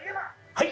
はい！